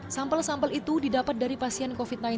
sampel sampel itu didapat dari pasien covid sembilan belas